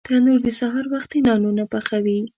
تنور د سهار وختي نانونه پخوي